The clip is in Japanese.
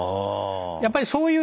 やっぱりそういう。